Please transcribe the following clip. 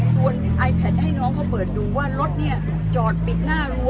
ส่วนไอแพทให้น้องเขาเปิดดูว่ารถเนี่ยจอดปิดหน้ารั้ว